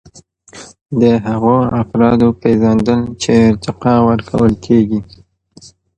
د هغو افرادو پیژندل چې ارتقا ورکول کیږي.